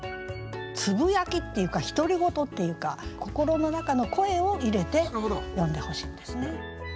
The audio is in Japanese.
つぶやきっていうか独り言っていうか心の中の声を入れて詠んでほしいんですね。